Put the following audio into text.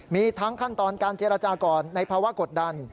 มีทั้งขั้นตอนการเจรจาก่อนในภาวะกดดัน